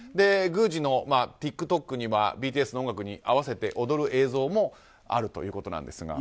宮司のＴｉｋＴｏｋにはＢＴＳの音楽に合わせて踊る映像もあるということです。